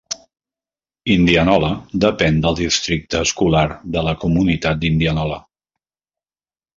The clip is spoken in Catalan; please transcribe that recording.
Indianola depèn del districte escolar de la comunitat d'Indianola.